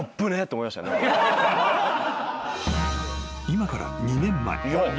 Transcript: ［今から２年前。